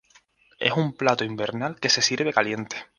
Es un plato invernal que se sirve caliente.